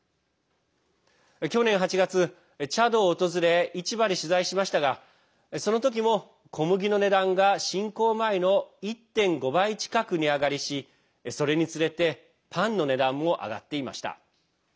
去年８月、チャドを訪れ市場で取材しましたがその時も、小麦の値段が侵攻前の１．５倍近く値上がりしそれにつれてパンの値段も上がっていました。